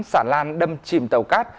xả lan đâm chìm tàu cát